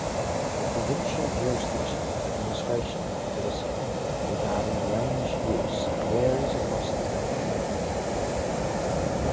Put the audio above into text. A provincial jurisdiction, administration and policy regarding range use varies across the country.